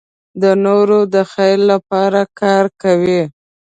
د نورو د خیر لپاره کار کوي.